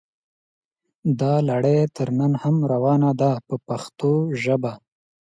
دا لړۍ تر ننه هم روانه ده په پښتو ژبه.